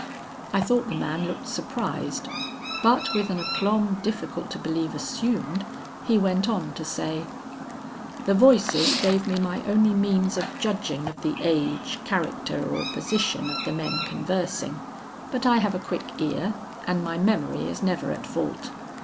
I thought the man looked surprised, but with an aplomb difficult to believe assumed, he went on to say, 'The voices gave me my only means of judging of the age, character, or position of the men conversing, but I have a quick ear, and my memory is never at fault.